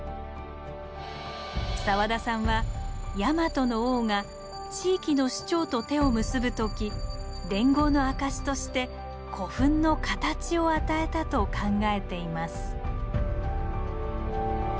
澤田さんはヤマトの王が地域の首長と手を結ぶ時連合の証しとして古墳の「形」を与えたと考えています。